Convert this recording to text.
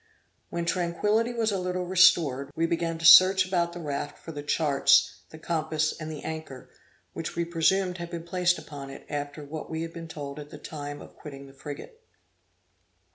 When tranquility was a little restored, we began to search about the raft for the charts, the compass, and the anchor, which we presumed had been placed upon it, after what we had been told at the time of quitting the frigate.